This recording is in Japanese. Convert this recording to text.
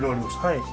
はい。